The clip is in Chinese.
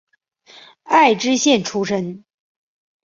爱知县出身。